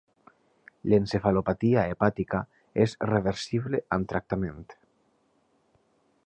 L'encefalopatia hepàtica és reversible amb tractament.